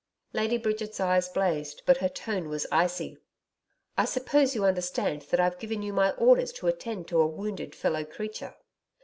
Lady Bridget's eyes blazed, but her tone was icy. 'I suppose you understand that I've given you my orders to attend to a wounded fellow creature.'